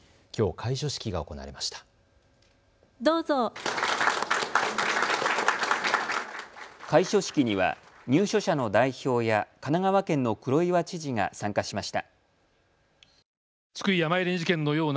開所式には入所者の代表や神奈川県の黒岩知事が参加しました。